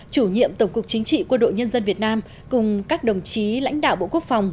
chủ nhiệm tổng cục chính trị quân đội nhân dân việt nam cùng các đồng chí lãnh đạo bộ quốc phòng